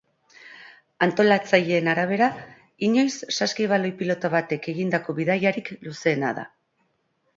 Antolatzaileen arabera, inoiz saskibaloi pilota batek egindako bidaiarik luzeena da.